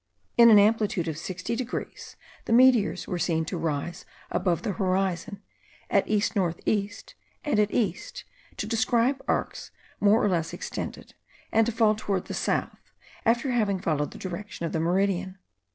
In an amplitude of 60 degrees the meteors were seen to rise above the horizon at east north east and at east, to describe arcs more or less extended, and to fall towards the south, after having followed the direction of the meridian.